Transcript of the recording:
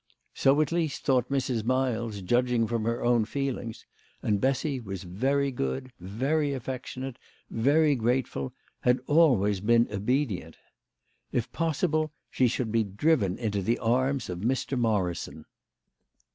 So at least thought Mrs. Miles, judging from her own feelings ; and Bessy was very good, very affectionate, very grateful, had always been obedient. If possible she should be driven into the arms of Mr. Morrison.